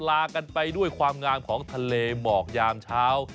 ลากันไปด้วยความงามของทะเลหมอกยามเช้า